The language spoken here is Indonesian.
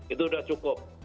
itu sudah cukup